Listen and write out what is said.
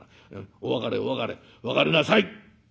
お別れお別れ別れなさい」。